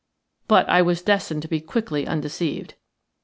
But I was destined to be quickly undeceived.